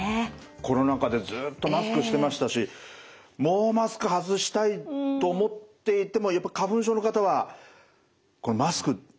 コロナ禍でずっとマスクしてましたしもうマスク外したいと思っていてもやっぱり花粉症の方はマスクやっぱり大事ですか。